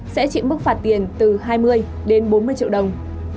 sẽ chịu mức phạt tiền từ hai mươi đến bốn mươi triệu đồng